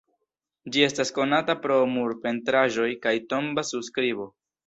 Ĝi estas konata pro murpentraĵoj kaj tomba surskribo.